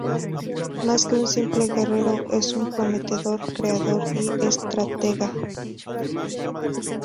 Más que un simple guerrero es un prometedor creador y estratega.